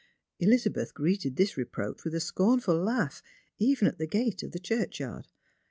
Elizabeth greeted this reproach with a scornful laugh, even at the gate of the churchyard.